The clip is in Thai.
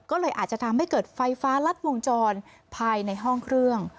ก็เลยอาจจะทำให้เกิดไฟฟ้ารัดวงจรภายในห้องเครื่อง